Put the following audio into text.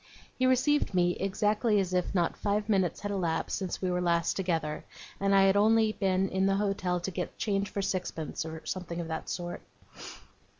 He received me exactly as if not five minutes had elapsed since we were last together, and I had only been into the hotel to get change for sixpence, or something of that sort.